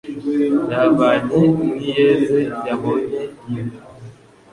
Yahavanye n'iyeze yabonye yo.